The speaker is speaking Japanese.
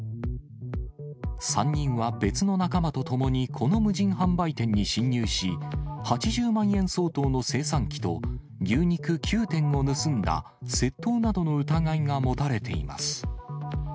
３人は別の仲間と共にこの無人販売店に侵入し、８０万円相当の精算機と、牛肉９点を盗んだ窃盗などの疑いが持たれています。